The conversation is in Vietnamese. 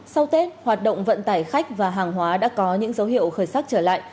sau tết hoạt động vận tải khách và hàng hóa đã có những dấu hiệu khởi sắc trở lại